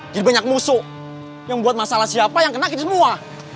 jadi banyak musuh yang buat masalah siapa yang kena kita semua